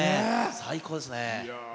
最高ですね。